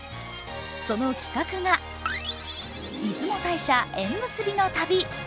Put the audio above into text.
その企画が出雲大社えんむすびの旅。